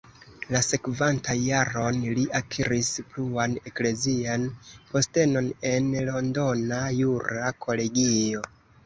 La sekvantan jaron li akiris pluan eklezian postenon en londona jura kolegio.